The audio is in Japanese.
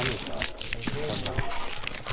３七の桂がですね。